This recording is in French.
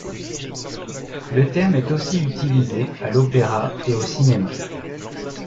Le terme est aussi utilisé à l'opéra et au cinéma.